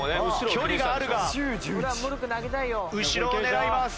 距離があるが後ろを狙います。